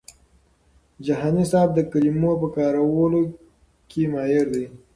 جهاني صاحب د کلمو په کارولو کي ماهر دی.